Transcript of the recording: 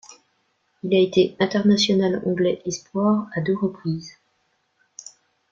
Il a été international anglais espoirs à deux reprises.